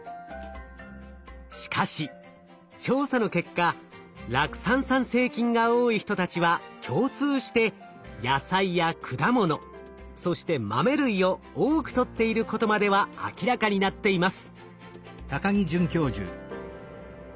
しかし調査の結果酪酸産生菌が多い人たちは共通して野菜や果物そして豆類を多くとっていることまでは明らかになっています。